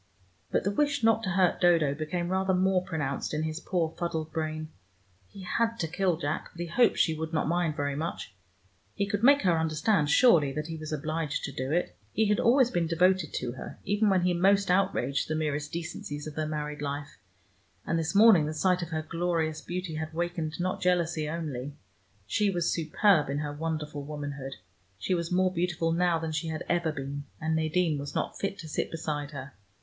But the wish not to hurt Dodo became rather more pronounced in his poor fuddled brain. He had to kill Jack, but he hoped she would not mind very much: he could make her understand surely that he was obliged to do it. He had always been devoted to her, even when he most outraged the merest decencies of their married life, and this morning the sight of her glorious beauty had wakened not jealousy only. She was superb in her wonderful womanhood: she was more beautiful now than she had ever been, and Nadine was not fit to sit beside her.